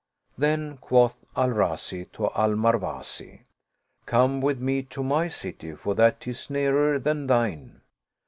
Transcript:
Then qtioth Al Razi to Al Marwazi, " Come with me to my city, for that 'tis nearer than thine."